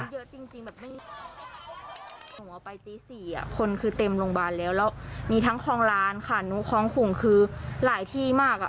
ผมเอาไปตี๔คนคือเต็มโรงพยาบาลแล้วแล้วมีทั้งคลองร้านค่ะคลองขุงคือหลายที่มาก